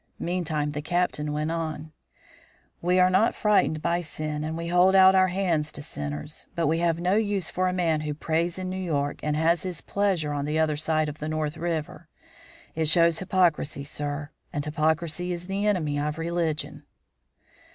Meantime the Captain went on: "We are not frightened by sin and we hold out our hands to sinners; but we have no use for a man who prays in New York and has his pleasure on the other side of the North River. It shows hypocrisy, sir, and hypocrisy is the enemy of religion."